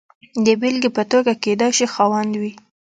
د بېلګې په توګه کېدای شي خاوند وي.